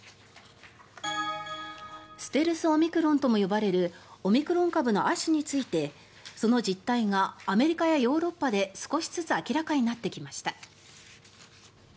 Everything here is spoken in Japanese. ステルス・オミクロンとも呼ばれるオミクロン株の亜種についてその実態がアメリカやヨーロッパで少しずつ明らかになってきました。